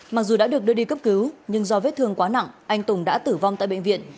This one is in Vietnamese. mặc dù đã được đưa đi cấp cứu nhưng do vết thương quá nặng anh tùng đã tử vong tại bệnh viện